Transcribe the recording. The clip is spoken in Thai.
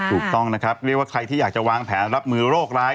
ถูกต้องนะครับเรียกว่าใครที่อยากจะวางแผนรับมือโรคร้าย